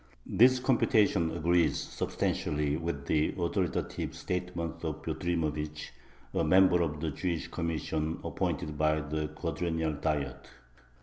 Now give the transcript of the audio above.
This computation agrees substantially with the authoritative statement of Butrymovich, a member of the "Jewish Commission" appointed by the Quadrennial Diet.